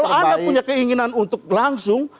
kalau anda punya keinginan untuk langsung